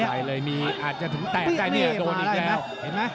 ใช่เลยมีอาจถึงแตกได้โดนอีกแล้ว